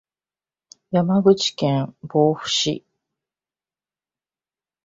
山口県防府市